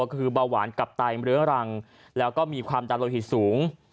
คือเบาหวานกลับตายเหลือรังแล้วก็มีความตาโลหิตสูง